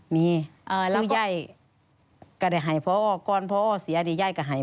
คือย่ายก็ได้หายพออ้อก้อนพออ้อเสียดีย่ายก็หายพออ้อ